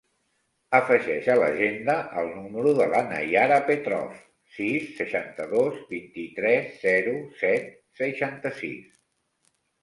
Afegeix a l'agenda el número de la Naiara Petrov: sis, seixanta-dos, vint-i-tres, zero, set, seixanta-sis.